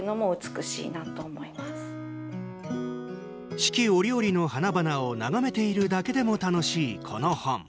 四季折々の花々を眺めているだけでも楽しいこの本。